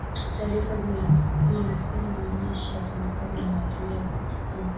taarifa zinasema majeshi ya serikali yameendelea kuvuna